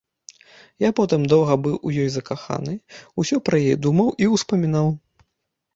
Я потым доўга быў у ёй закаханы, усё пра яе думаў і ўспамінаў.